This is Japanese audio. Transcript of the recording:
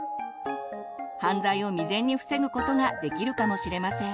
犯罪を未然に防ぐことができるかもしれません。